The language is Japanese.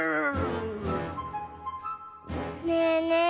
ねえねえ